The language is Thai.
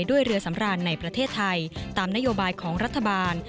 ด้วยเรือสำราญในประเทศไทยตามนโยบายของรัฐบาล